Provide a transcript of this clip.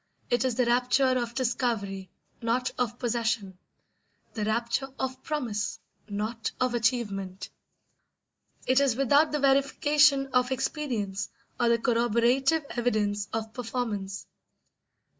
It is the rapture of discovery, not of possession; the rapture of promise, not of achievement. It is without the verification of experience or the corroborative evidence of performance.